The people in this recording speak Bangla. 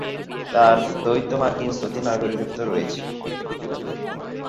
তাঁর দ্বৈত মার্কিন-সৌদি নাগরিকত্ব রয়েছে।